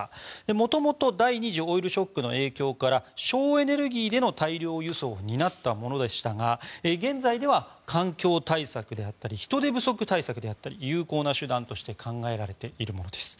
元々、第２次オイルショックの影響から省エネルギーでの大量輸送を担ったものでしたが現在では環境対策であったり人手不足対策であったり有効な手段として考えられているものです。